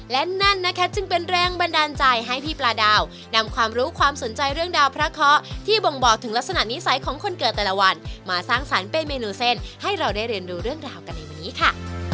และนั่นนะคะจึงเป็นแรงบันดาลใจให้พี่ปลาดาวนำความรู้ความสนใจเรื่องดาวพระเคาะที่บ่งบอกถึงลักษณะนิสัยของคนเกิดแต่ละวันมาสร้างสรรค์เป็นเมนูเส้นให้เราได้เรียนรู้เรื่องราวกันในวันนี้ค่ะ